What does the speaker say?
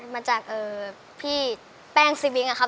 มาจากพี่แป้งสวิงอะครับ